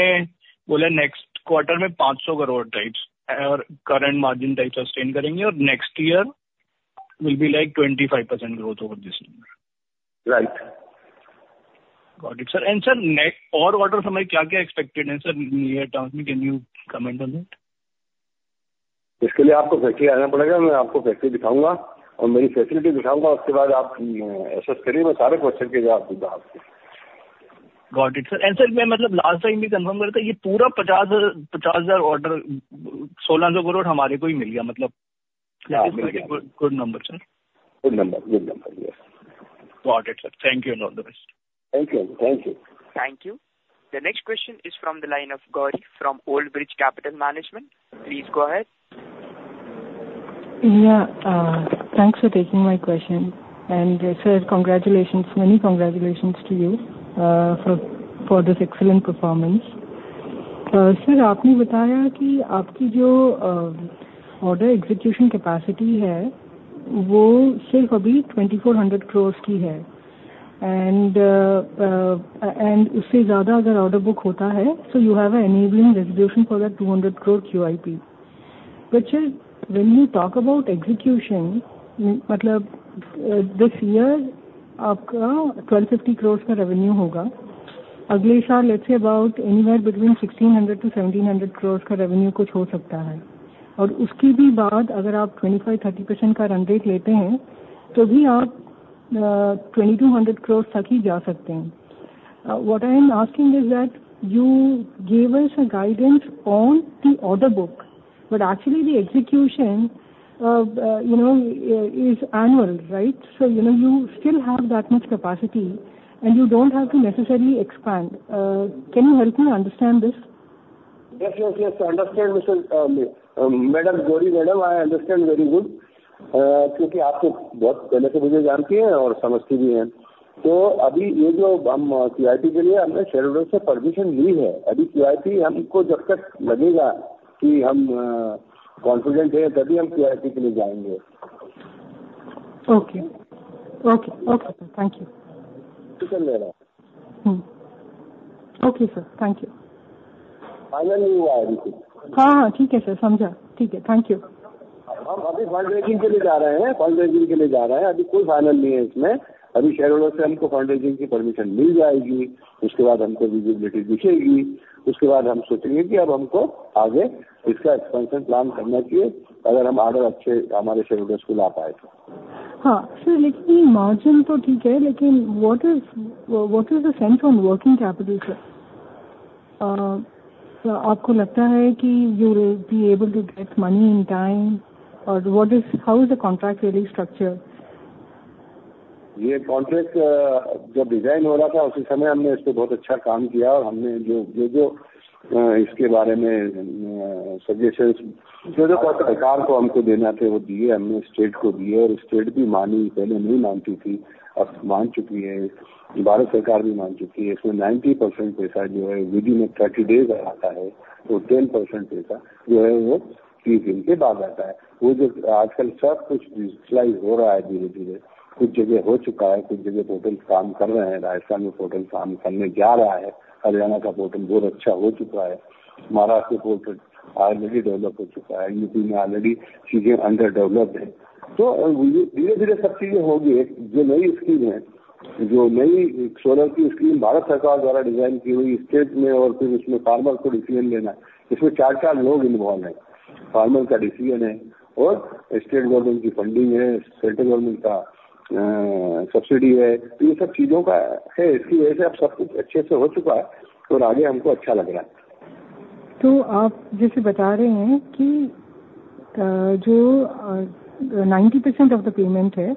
बोला, नेक्स्ट क्वार्टर में ₹500 करोड़ और करंट मार्जिन टाइप सस्टेन करेंगे और next year will be like 25% growth over this. Right. और ऑर्डर से क्या क्या expected है? Sir, can you comment on it. इसके लिए आपको फैक्ट्री आना पड़ेगा। मैं आपको फैक्ट्री दिखाऊंगा और मेरी फैसिलिटी दिखाऊंगा। उसके बाद आप ऐसे सारे क्वेश्चन के जवाब दूंगा। गॉट इट सर और सर मैं लास्ट टाइम भी कन्फर्म करता यह पूरा ₹50,000, ₹50,000 ऑर्डर, ₹1,600 करोड़ हमारे को ही मिल गया। मतलब good number sir. Good number, good number yes! Got it sir, thank you and all the best! Thank you, thank you. Thank you. The next question is from the line of Gauri from Old Bridge Capital Management. Please go ahead. Yeah, thanks for taking my question and sir, congratulation, many congratulation to you for this excellent performance. Sir आपने बताया कि आपकी जो order execution capacity है, वो सिर्फ अभी ₹2,400 करोड़ की है एंड उससे ज्यादा अगर ऑर्डर बुक होता है। So you have an enabling resolution for the ₹200 crore QIP, which is when you talk about execution. मतलब दिस ईयर आपका ₹1,250 करोड़ का रेवेन्यू होगा। अगले साल let's about anywhere between ₹1,600 to ₹1,700 crore का रेवेन्यू कुछ हो सकता है और उसकी भी बाद अगर आप 25% का रन रेट लेते हैं, तो भी आप ₹2,200 करोड़ तक ही जा सकते हैं। What I am asking is that? You give us a guidance on the order book, but actually the execution, you know, is annual, right? So you know, you still have that much capacity and you don't have to necessarily expand. Can you help me understand this? Yes yes, understand Madam Gauri Madam, I understand very good. क्योंकि आप बहुत पहले से मुझे जानती हैं और समझती भी हैं। तो अभी ये जो हम QIP के लिए हमने शेयरहोल्डर से परमिशन ली है, अभी QIP हमको जब तक लगेगा कि हम कॉन्फिडेंट हैं, तभी हम QIP के लिए जाएंगे। Okay, okay okay thank you. Okay sir, thank you. Final नहीं हुआ है अभी तक। हां हां ठीक है सर, समझा ठीक है। Thank you. हम अभी फंडरेजिंग के लिए जा रहे हैं। फंडरेजिंग के लिए जा रहे हैं। अभी कोई फाइनल नहीं है। इसमें अभी शेयरहोल्डर से हमको फंडरेजिंग की परमिशन मिल जाएगी। उसके बाद हमको विजिबिलिटी दिखेगी। उसके बाद हम सोचेंगे कि अब हमको आगे इसका एक्सपेंशन प्लान करना चाहिए। अगर हम ऑर्डर अच्छे हमारे शेयरहोल्डर को ला पाए तो। हां सर, लेकिन मार्जिन तो ठीक है, लेकिन what is the stand on working capital sir? आपको लगता है कि you will be able to get money in time और what is how is the contract really structure? ये कॉन्ट्रैक्ट जब डिजाइन हो रहा था, उसी समय हमने इसमें बहुत अच्छा काम किया और हमने जो इसके बारे में सजेशन सरकार को देना थे, वो दिए। हमने स्टेट को दिए और स्टेट भी मानी, पहले नहीं मानती थी, अब मान चुकी है। भारत सरकार भी मान चुकी है। इसमें 90% पैसा जो है, within 30 days आता है तो 10% पैसा जो है वो 30 दिन के बाद आता है। वो जो आजकल सब कुछ visualize हो रहा है, धीरे धीरे कुछ जगह हो चुका है। कुछ जगह पोर्टल काम कर रहे हैं। राजस्थान में पोर्टल काम करने जा रहा है। हरियाणा का पोर्टल बहुत अच्छा हो चुका है। महाराष्ट्र पोर्टल already develop हो चुका है। UP में already चीजें under develop हैं। धीरे धीरे सब चीज होगी। जो नई स्कीम है, जो नई सोलर की स्कीम भारत सरकार द्वारा डिजाइन की गई स्टेट में और फिर उसमें फार्मर को decision लेना है। इसमें चार लोग involve हैं। फार्मर का decision है और स्टेट गवर्नमेंट की funding है। Central Government का subsidy है। ये सब चीजों का है। इसकी वजह से अब सब कुछ अच्छे से हो चुका है तो आगे हमको अच्छा लग रहा है। तो आप जैसे बता रहे हैं कि जो 90% of the payment है,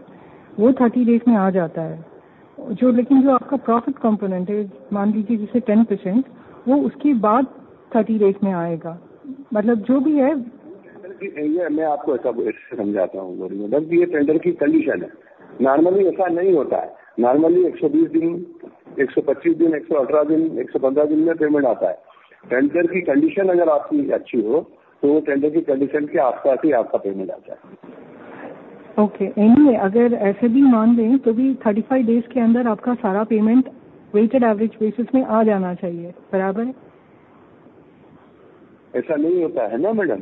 वह 30 days में आ जाता है। लेकिन जो आपका profit component है, मान लीजिए जैसे 10%, वो उसके बाद 30 days में आएगा। मतलब जो भी है। मैं आपको ऐसा समझाता हूं। लेकिन ये टेंडर की कंडीशन है। नॉर्मली ऐसा नहीं होता है। नॉर्मली 120 दिन, 125 दिन, 118 दिन, 115 दिन में पेमेंट आता है। टेंडर की कंडीशन अगर आपकी अच्छी हो तो टेंडर की कंडीशन के अनुसार ही आपका पेमेंट आ जाता है। ओके, अगर ऐसे भी मान लें तो भी 35 दिनों के अंदर आपका सारा पेमेंट वेटेड एवरेज बेसिस में आ जाना चाहिए। बराबर है। ऐसा नहीं होता है ना मैडम।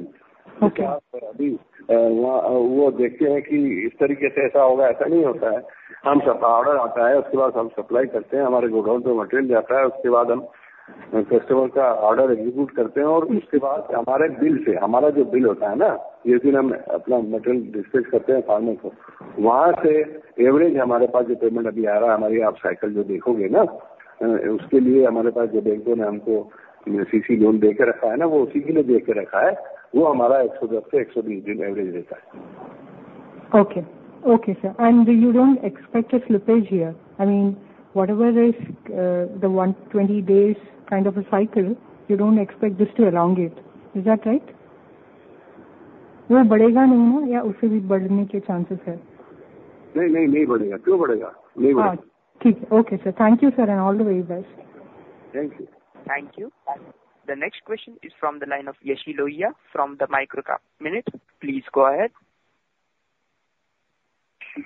अभी वो देखते हैं कि इस तरीके से ऐसा होगा। ऐसा नहीं होता है। हम ऑर्डर आता है, उसके बाद हम सप्लाई करते हैं। हमारे गोडाउन से मटेरियल जाता है। उसके बाद हम कस्टमर का ऑर्डर एग्जीक्यूट करते हैं और उसके बाद हमारे बिल से हमारा जो बिल होता है ना, जिस दिन हम अपना मटेरियल डिस्पर्स करते हैं, फार्मर को वहां से एवरेज हमारे पास जो पेमेंट अभी आ रहा है, हमारी आप साइकिल जो देखोगे ना, उसके लिए हमारे पास जो बैंकों ने हमको CC लोन देकर रखा है ना, वो उसी के लिए देकर रखा है। वो हमारा 110 से 120 दिन एवरेज रहता है। Okay, okay sir and you don't expect slippage here. I mean whatever is the 120 days kind of a cycle. You don't expect this to arrange, is that right? वो बढ़ेगा नहीं या उसे भी बढ़ने के chances हैं। नहीं नहीं, नहीं बढ़ेगा, क्यों बढ़ेगा? नहीं बढ़ेगा। हां ठीक है। OK sir, thank you sir and all the best. Thank you. Thank you. The next question is from the line of Yashi Lohiya from The Microcap Minute. Please go ahead.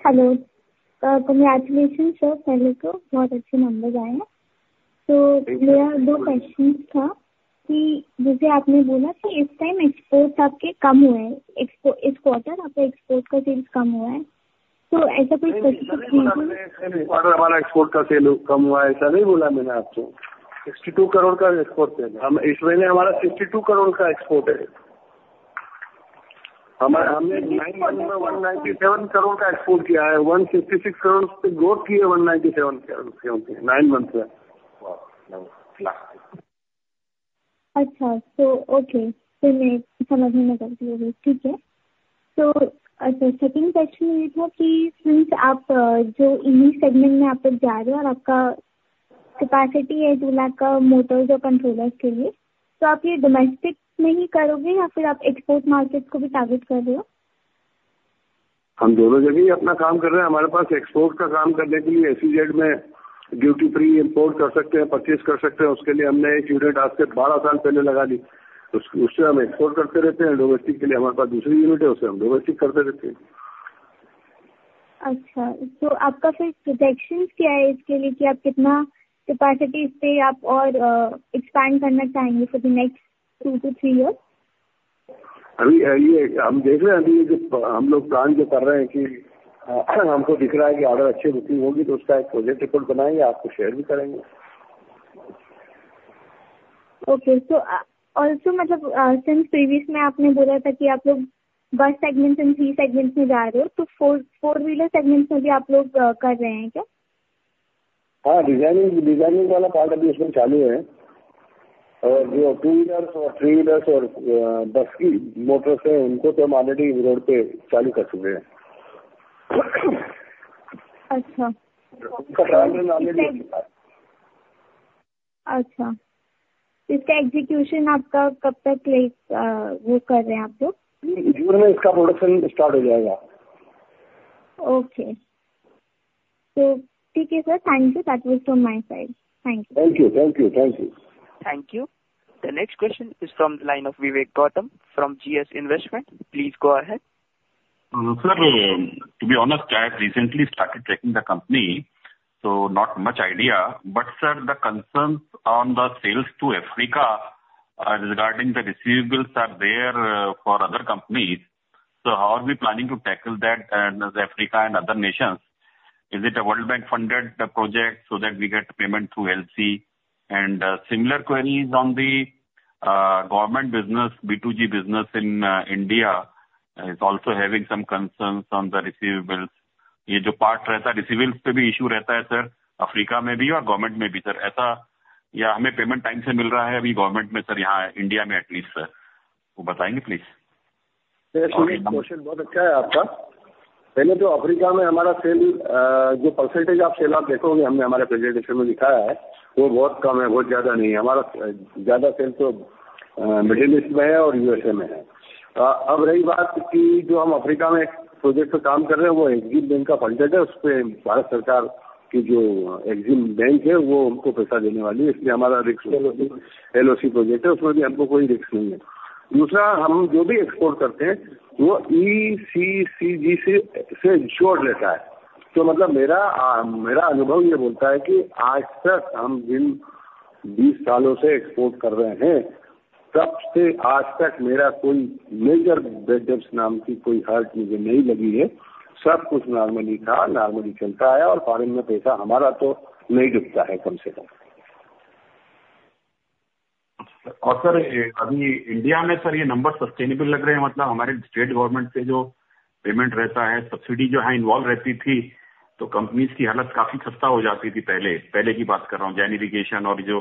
Hello, congratulation sir. पहले तो बहुत अच्छे number आए हैं। तो मेरा दो question था कि जैसे आपने बोला कि इस टाइम एक्सपोर्ट आपके कम हुए हैं। एक्सपोर्ट इस क्वार्टर आपका एक्सपोर्ट का सेल्स कम हुआ है तो ऐसा कोई। हमारा एक्सपोर्ट कम हुआ है, ऐसा नहीं बोला मैंने। आपको ₹62 करोड़ का एक्सपोर्ट है। इस महीने हमारा ₹62 करोड़ का एक्सपोर्ट है। हमने ₹197 करोड़ का एक्सपोर्ट किया है। ₹156 करोड़ से ग्रोथ की है। ₹197 से नाइन मंथ से लास्ट। अच्छा तो okay! फिर मैं समझने में गलती हो गई। ठीक है तो अच्छा second question ये था कि since आप जो इन्हीं segment में आप लोग जा रहे हो और आपका capacity है ₹2 lakh का motors और controllers के लिए, तो आप ये domestic में ही करोगे या फिर आप export market को भी target कर रहे हो? हम दोनों जगह ही अपना काम कर रहे हैं। हमारे पास एक्सपोर्ट का काम करने के लिए SEZ में ड्यूटी फ्री इम्पोर्ट कर सकते हैं, परचेज कर सकते हैं। उसके लिए हमने यूनिट आज से 12 साल पहले लगा ली। उससे हम एक्सपोर्ट करते रहते हैं। डोमेस्टिक के लिए हमारे पास दूसरी यूनिट है, उससे हम डोमेस्टिक करते रहते हैं। अच्छा, तो आपका फिर प्रोटेक्शन क्या है इसके लिए कि आप कितना कैपेसिटी से आप और एक्सपैंड करना चाहेंगे for the next two to three years. अभी हम देख रहे हैं, अभी हम लोग प्लान जो कर रहे हैं कि हमको दिख रहा है कि ऑर्डर अच्छे मिलते होंगे तो उसका एक प्रोजेक्ट रिपोर्ट बनाएंगे, आपको शेयर भी करेंगे। ओके तो मतलब since previous में आपने बोला था कि आप लोग bus segment और three segment में जा रहे हो तो four wheeler segment में भी आप लोग कर रहे हैं क्या? हां, डिजाइनिंग वाला पार्ट अभी उसमें चालू है और जो टू व्हीलर और थ्री व्हीलर और बस की मोटर्स हैं, उनको तो हम ऑलरेडी रोड पर चालू कर चुके हैं। अच्छा! अच्छा, इसका execution आपका कब तक ले वो कर रहे हैं आप लोग। जून में इसका प्रोडक्शन स्टार्ट हो जाएगा। ओके सो ठीक है sir, thank you that was from my side. Thank you. Thank you! Thank you. Thank you. Thank you. The next question is from the line of Vivek Gautam from GS Investment. Please go ahead. Sir, to be honest, I have recently started checking the company so not much idea. But sir, the concern on the sales to Africa regarding the receivable are there for other company. So how are we planning to tackle that Africa and other nations? Is it a world bank funded project so that we get payment through LC and similar query on the government business, B2G business in India is also having some concern on the receivable. यह जो part रहता है, receivable पे भी issue रहता है sir, Africa में भी और गवर्नमेंट में भी. सर, ऐसा या हमें पेमेंट टाइम से मिल रहा है? अभी गवर्नमेंट में सर, यहां इंडिया में एटलीस्ट सर, वो बताएंगे प्लीज. क्वेशन बहुत अच्छा है आपका। पहले तो अफ्रीका में हमारा सेल जो परसेंटेज आप सेल आप देखोगे, हमने हमारे प्रेजेंटेशन में दिखाया है। वो बहुत कम है, बहुत ज्यादा नहीं। हमारा ज्यादा सेल तो मिडिल ईस्ट में है और यूएसए में है। अब रही बात कि जो हम अफ्रीका में प्रोजेक्ट पर काम कर रहे हैं, वह एक बैंक का प्रोजेक्ट है। उस पर भारत सरकार की जो एग्जीम बैंक है, वह हमको पैसा देने वाली है। इसलिए हमारा रिस्क एलओसी प्रोजेक्ट है। उसमें भी हमको कोई रिस्क नहीं है। दूसरा, हम जो भी एक्सपोर्ट करते हैं, वह ECGC से इंश्योर्ड रहता है। मतलब मेरा अनुभव यह कहता है कि आज तक हम जिन बीस सालों से एक्सपोर्ट कर रहे हैं, तब से आज तक मेरा कोई मेजर बैड नाम की कोई हार्ट मुझे नहीं लगी है। सब कुछ नॉर्मली था, नॉर्मली चलता आया और फॉरेन में पैसा हमारा तो नहीं रुकता है, कम से कम। और सर, अभी India में सर, यह नंबर sustainable लग रहे हैं। मतलब हमारे state government से जो payment रहता है, subsidy जो है, involve रहती थी तो company की हालत काफी खस्ता हो जाती थी। पहले पहले की बात कर रहा हूं। Generation और जो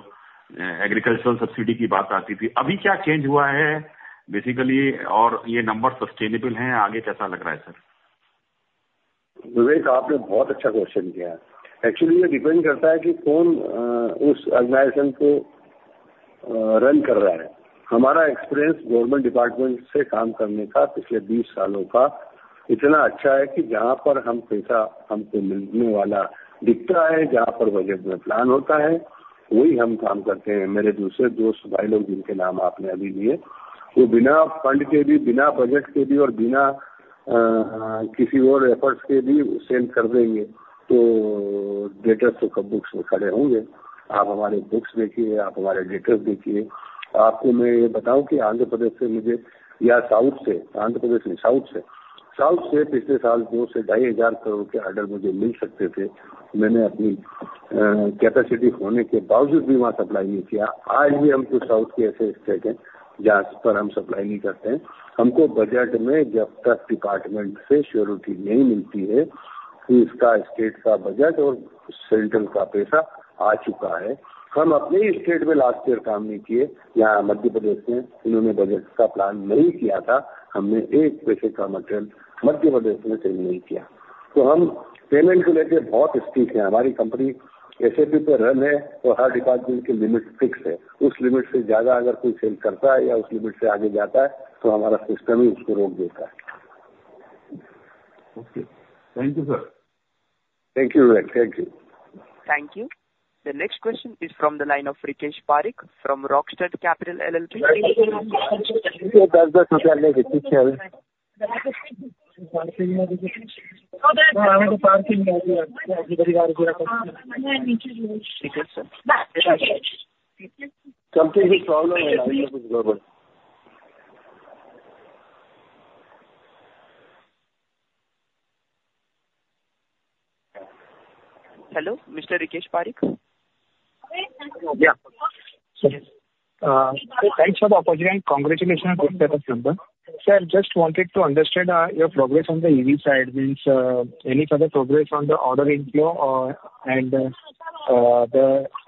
agriculture subsidy की बात आती थी, अभी क्या change हुआ है? Basically और यह नंबर sustainable हैं, आगे कैसा लग रहा है सर? विवेक, आपने बहुत अच्छा question किया। Actually यह depend करता है कि कौन उस organization को run कर रहा है। हमारा experience government department से काम करने का पिछले बीस सालों का इतना अच्छा है कि जहां पर हम पैसा हमको मिलने वाला दिखता है, जहां पर budget में plan होता है, वहीं हम काम करते हैं। मेरे दूसरे दोस्त भाई लोग, जिनके नाम आपने अभी लिए, वो बिना fund के भी, बिना budget के भी और बिना किसी और efforts के भी sell कर देंगे तो data और books में खड़े होंगे। आप हमारे books देखिए, आप हमारे data देखिए। आपको मैं यह बताऊं कि Andhra Pradesh से मुझे या South से Andhra Pradesh नहीं, South से South से पिछले साल INR 2 से 2.5 हजार करोड़ के orders मुझे मिल सकते थे। मैंने अपनी capacity होने के बावजूद भी वहां supply नहीं किया। आज भी हमको South के ऐसे states हैं, जहां पर हम supply नहीं करते हैं। हमको budget में जब तक department से surety नहीं मिलती है कि इसका state का budget और central का पैसा आ चुका है। हम अपने ही state में last year काम नहीं किए। यहां Madhya Pradesh में उन्होंने budget का plan नहीं किया था। हमने एक पैसे का material Madhya Pradesh में sell नहीं किया तो हम payment को लेकर बहुत strict हैं। हमारी company SAP पर run है और हर department की limit fix है। उस limit से ज्यादा अगर कोई sell करता है या उस limit से आगे जाता है तो हमारा system ही उसको रोक देता है। Okay, thank you sir. Thank you! Thank you. Thank you. The next question is from the line of Rakesh Parikh from Rockstar Capital LLP.` दस दस रुपए लेके ठीक है। पार्किंग में भी पार्किंग है। पूरा प्रॉब्लम है। Hello mister Rakesh Parikh. Yeah thanks for the opportunity and congratulation for the stats. Sir, just wanted to understand your progress on the EV side, means any further progress on the order inflow and the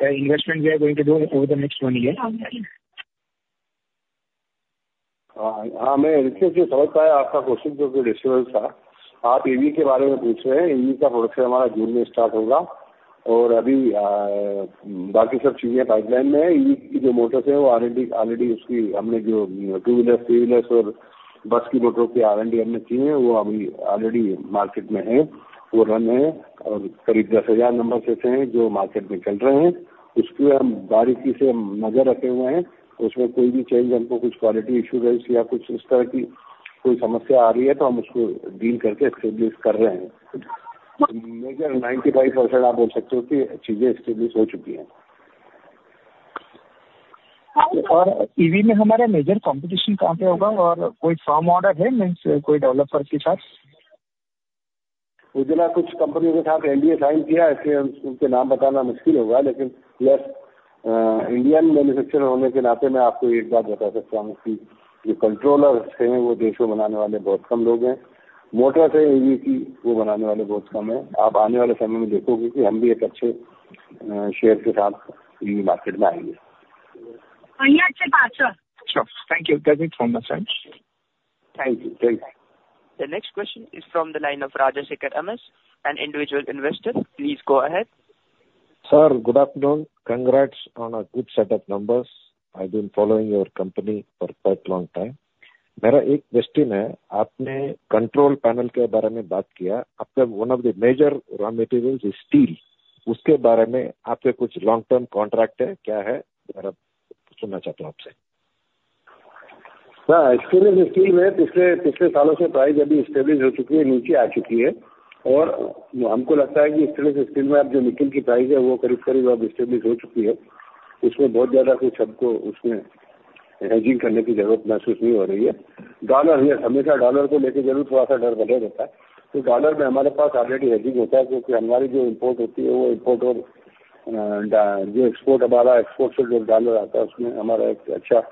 investment we are going to do over the next one year? हां, मैं समझ पाया आपका question जो कि disturb था, आप EV के बारे में पूछ रहे हैं। EV का प्रोडक्शन हमारा जून में स्टार्ट होगा और अभी बाकी सब चीजें पाइपलाइन में है। EV की जो मोटर्स हैं वो already उसकी। हमने जो टू व्हीलर, थ्री व्हीलर और बस की मोटर की R&D की है, वो अभी already मार्केट में है। वो रन है और करीब 10,000 नंबर ऐसे हैं जो मार्केट में चल रहे हैं। उसकी हम बारीकी से नजर रखे हुए हैं। उसमें कोई भी चेंज, हमको कुछ क्वालिटी इश्यू या कुछ इस तरह की कोई समस्या आ रही है तो हम उसको डील करके स्टेबलिश कर रहे हैं। मेजर 95% आप बोल सकते हो कि चीजें स्टेबल हो चुकी हैं। और EV में हमारा major competition कहां पर होगा और कोई firm order है। कोई developers के साथ। कुछ कंपनियों के साथ NDA साइन किया है, इसलिए उनके नाम बताना मुश्किल होगा। लेकिन इंडियन मैन्युफैक्चरर होने के नाते मैं आपको एक बात बता सकता हूं कि जो कंट्रोलर हैं, वो देश में बनाने वाले बहुत कम लोग हैं। मोटर से EV की वो बनाने वाले बहुत कम हैं। आप आने वाले समय में देखोगे कि हम भी एक अच्छे शेयर के साथ मार्केट में आएंगे। सर थैंक यू से thank you! The next question is from the line of Rajshekhar MS, an individual investor. Please go ahead. Sir, good afternoon. Congrats on good set of numbers. I am following company for long time. मेरा एक question है। आपने control panel के बारे में बात किया। आपका one of the major raw material steel उसके बारे में आपके कुछ लॉन्ग टर्म कॉन्ट्रैक्ट है क्या, यह सुनना चाहता हूं आपसे। स्टील में पिछले सालों से प्राइस अभी स्टेबल हो चुकी है, नीचे आ चुकी है और हमको लगता है कि स्टील में जो निकेल की प्राइस है, वह करीब करीब अब स्टेबल हो चुकी है। उसमें बहुत ज्यादा कुछ हमको हेजिंग करने की जरूरत महसूस नहीं हो रही है। डॉलर हमेशा डॉलर को लेकर जरूर थोड़ा सा डर बना रहता है तो डॉलर में हमारे पास ऑलरेडी हेजिंग होती है, क्योंकि हमारी जो इम्पोर्ट होती है, वो इम्पोर्ट और एक्सपोर्ट। हमारे एक्सपोर्ट से जो डॉलर आता है, उसमें हमारा एक अच्छा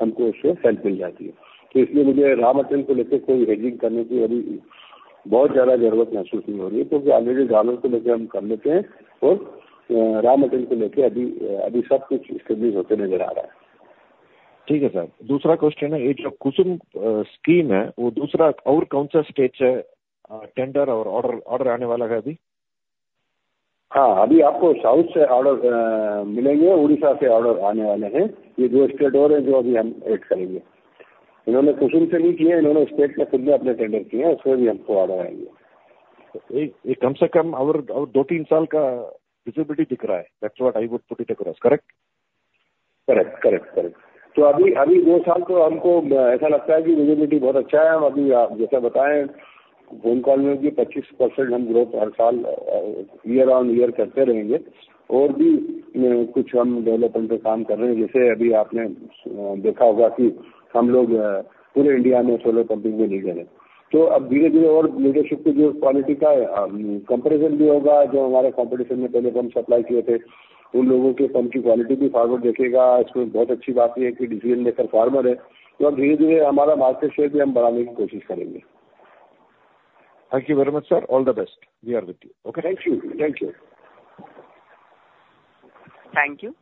हमको उसमें हेल्प मिल जाती है। इसलिए मुझे रॉ मटेरियल को लेकर कोई हेजिंग करने की अभी बहुत ज्यादा जरूरत महसूस नहीं हो रही है, क्योंकि आगे डॉलर को लेकर हम कर लेते हैं और रॉ मटेरियल को लेकर अभी सब कुछ स्टेबल होता नजर आ रहा है। ठीक है सर, दूसरा क्वेश्चन है। ये जो कुसुम स्कीम है, वो दूसरा और कौन सा स्टेट है? टेंडर और ऑर्डर आने वाला है अभी। हां, अभी आपको साउथ से ऑर्डर मिलेंगे। उड़ीसा से ऑर्डर आने वाले हैं। ये दो स्टेट और हैं, जो अभी हम ऐड करेंगे। इन्होंने कुसुम से नहीं किए। इन्होंने स्टेट में खुद ने अपने टेंडर किए हैं। उसमें भी हमको ऑर्डर आएंगे। कम से कम दो तीन साल की visibility दिख रही है। I would put across correct. Correct, correct, correct! तो अभी अभी दो साल तो हमको ऐसा लगता है कि विजिबिलिटी बहुत अच्छा है। अभी आप जैसा बताएं, फोन कॉल में भी 25% हम ग्रोथ हर साल ईयर ऑन ईयर करते रहेंगे और भी कुछ हम डेवलपमेंट पर काम कर रहे हैं। जैसे अभी आपने देखा होगा कि हम लोग पूरे इंडिया में सोलर पंपिंग में लगे हैं तो अब धीरे धीरे और लीडरशिप क्वालिटी का कंपैरिजन भी होगा। जो हमारे कॉम्पिटिशन में पहले हम सप्लाई किए थे, उन लोगों के पंप की क्वालिटी भी मार्केट देखेगा। इसमें बहुत अच्छी बात यह है कि डिसीजन मेकर फार्मर है तो अब धीरे धीरे हमारा मार्केट शेयर भी हम बढ़ाने की कोशिश करेंगे। Thank you very much sir, all the best. We are with you. Thank you. Thank you. Thank you.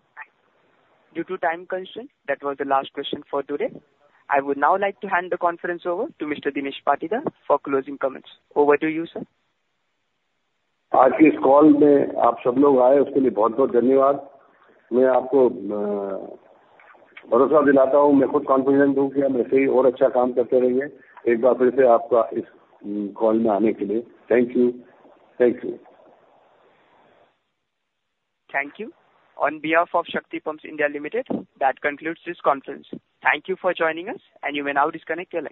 Due to time constraint, that was the last question for today. I would like to hand the conference over to Mr. Dinesh Patidar for closing comments. Over to you, sir. आज के इस call में आप सब लोग आए, उसके लिए बहुत बहुत धन्यवाद। मैं आपको भरोसा दिलाता हूं। मैं खुद कॉन्फिडेंट हूं कि हम ऐसे ही और अच्छा काम करते रहेंगे। एक बार फिर से आपका इस कॉल में आने के लिए thank you! Thank you. Thank you on behalf of Shakti Pumps India Limited. That concludes this conference. Thank you for joining us and you can now disconnect your line.